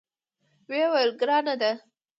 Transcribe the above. ویې ویل: ګرانه ده.